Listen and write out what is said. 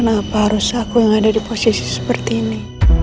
kenapa harus aku yang ada di posisi seperti ini